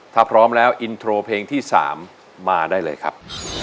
ถ้าพร้อมแล้วอินโทรเพลงที่๓มาได้เลยครับ